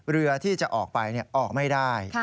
เรือที่จะออกไปออกไม่ได้